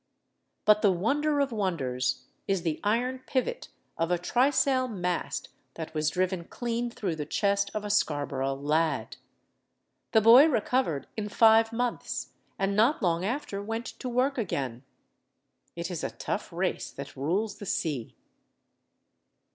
But the wonder of wonders is the iron pivot of a trysail mast that was driven clean through the chest of a Scarborough lad. The boy recovered in five months, and not long after went to work again. It is a tough race that rules the sea.